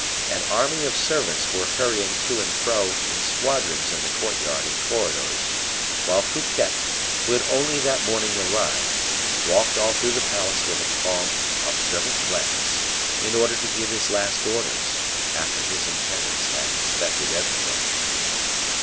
An army of servants were hurrying to and fro in squadrons in the courtyard and corridors; while Fouquet, who had only that morning arrived, walked all through the palace with a calm, observant glance, in order to give his last orders, after his intendants had inspected everything.